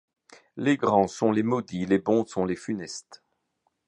Les grands sont les maudits, les bons sont les funestes.